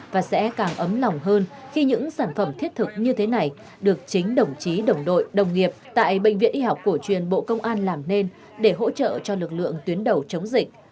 và sẽ càng ấm lòng hơn khi những sản phẩm thiết thực như thế này được chính đồng chí đồng đội đồng nghiệp tại bệnh viện y học cổ truyền bộ công an làm nên để hỗ trợ cho lực lượng tuyến đầu chống dịch